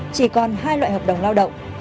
chỉ còn hai loại hợp đồng lao động